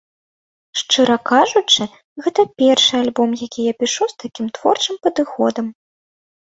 Шчыра кажучы, гэта першы альбом, які я пішу з такім творчым падыходам.